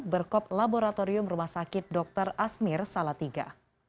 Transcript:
berkop laboratorium rumah sakit dr asmir salatiga